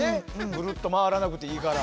ぐるっと回らなくていいから。